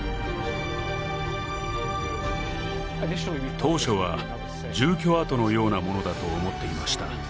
当初は住居跡のようなものだと思っていました